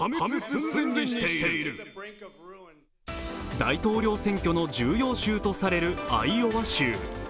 大統領選挙の重要州とされるアイオワ州。